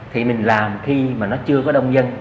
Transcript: thì mình làm khi mà nó chưa có đông dân